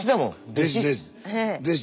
弟子です。